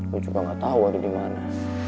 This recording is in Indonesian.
gue juga gak tau ada di mana